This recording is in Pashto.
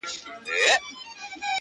o شاهدان مي سره ګلاب او پسرلي دي,